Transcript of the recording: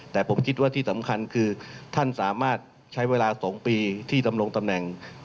แต่ผมคิดว่าที่สำคัญคือท่านสามารถใช้เวลา๒ปีที่ดำรงตำแหน่ง